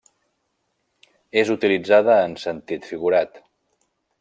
És utilitzada en sentit figurat.